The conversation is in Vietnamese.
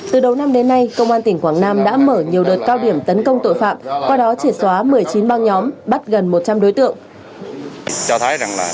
từ đầu năm đến nay công an tỉnh quảng nam đã mở nhiều đợt cao điểm tấn công tội phạm qua đó chỉ xóa một mươi chín băng nhóm bắt gần một trăm linh đối tượng